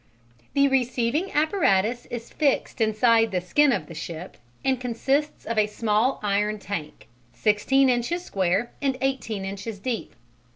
The receiving apparatus is fixed inside the skin of the ship and consists of a small iron tank, 16 inches square and 18 inches deep.